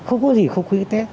không có gì không khí tết